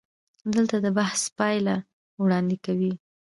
دلته د بحث پایله وړاندې کوو.